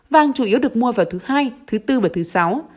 vàng chủ yếu được mua vào thứ hai thứ bốn và thứ sáu